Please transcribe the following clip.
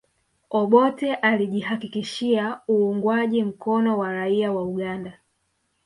Obote alijihakikishia uungwaji mkono wa raia wa Uganda